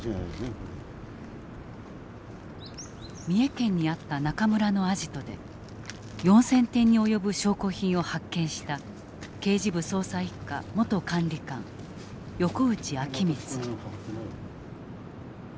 三重県にあった中村のアジトで４，０００点に及ぶ証拠品を発見した刑事部捜査一課元管理官横内昭光。